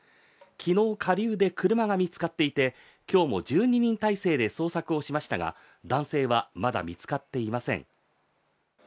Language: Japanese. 昨日、下流で車が見つかっていて今日も１２人態勢で捜索をしましたが、男性はまだ見つかっていません